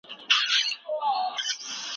ښه اقتصادي پلان جوړونه د هېوادونو لپاره اړينه ده.